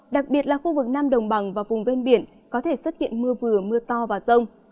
đặc biệt là khu vực nam đồng bằng và vùng ven biển có thể xuất hiện mưa vừa mưa to và rông